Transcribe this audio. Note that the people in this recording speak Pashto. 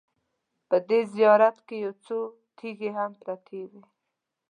په دې زیارت کې یو څو تیږې هم پرتې وې.